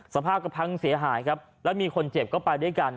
สภาพก็พังเสียหายครับแล้วมีคนเจ็บก็ไปด้วยกัน